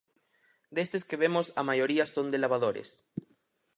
Destes que vemos, a maioría son de Lavadores.